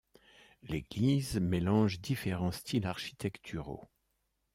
L'église mélange différents styles architecturaux.